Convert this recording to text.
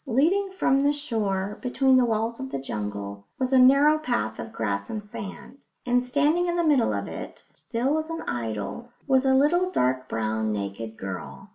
Leading from the shore, between the walls of the jungle, was a narrow path of grass and sand; and standing in the middle of it, still as an idol, was a little dark brown naked girl.